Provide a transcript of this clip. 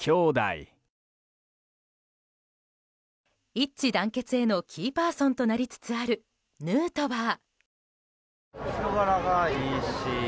一致団結へのキーパーソンとなりつつある、ヌートバー。